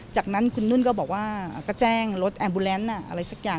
จากนั้นคุณนุ่นก็บอกว่าก็แจ้งรถแอมบูแลนซ์อะไรสักอย่าง